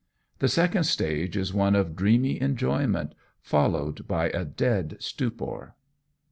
The second stage is one of dreamy enjoyment followed by a dead stupor.